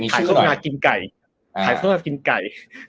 ถ่ายโฆษณากินไก่